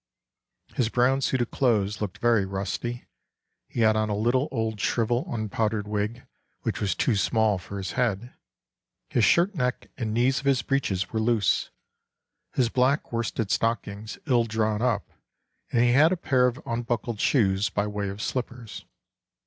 His brown suit of clothes looked very rusty; he had on a little old shrivelled unpowdered wig, which was too small for his head; his shirt neck and knees of his breeches were loose, his black worsted stockings ill drawn up, and he had a pair of unbuckled shoes by way of slippers.